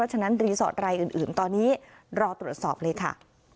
ฉะนั้นรีสอร์ทรายอื่นตอนนี้รอตรวจสอบเลยค่ะ